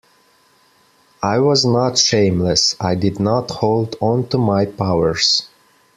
I was not shameless, I did not hold onto my powers.